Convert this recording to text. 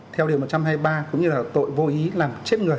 theo điều một trăm hai mươi ba cũng như là tội vô ý làm chết người